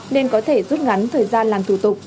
nên có thể rút ngắn thời gian làm thủ tục